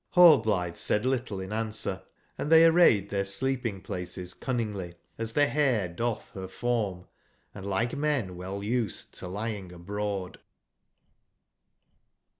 Rallblitbe said little in answer, & tbey arrayed tbeir sleeping places cunningly, as tbe (bare dotb ber form, and like men well used to lying \abroad.